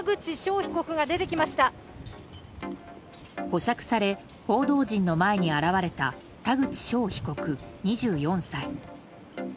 保釈され報道陣の前に現れた田口翔被告、２４歳。